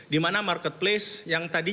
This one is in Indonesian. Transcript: dimana marketplace yang tadinya terdapat